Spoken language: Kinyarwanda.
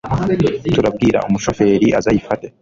turabwira umushoferi aze ayifate